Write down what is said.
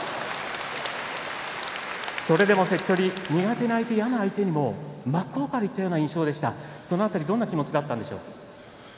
それでも、関取苦手な相手、嫌な相手にも真っ向からいったような印象でした、その辺りどんな気持ちだったんですか。